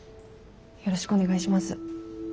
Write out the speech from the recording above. よろしくお願いします。